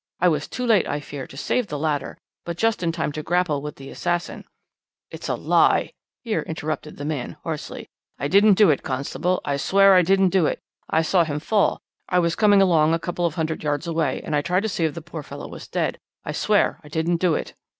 I was too late, I fear, to save the latter, but just in time to grapple with the assassin " "'It's a lie!' here interrupted the man hoarsely. 'I didn't do it, constable; I swear I didn't do it. I saw him fall I was coming along a couple of hundred yards away, and I tried to see if the poor fellow was dead. I swear I didn't do it.'